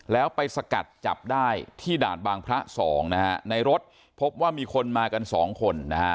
แล้วไปสกัดจับได้ที่ด่านบางพระสองนะฮะในรถพบว่ามีคนมากันสองคนนะฮะ